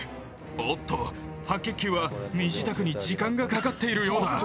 おっと、白血球は身支度に時間がかかっているようだ。